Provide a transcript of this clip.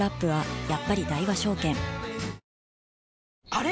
あれ？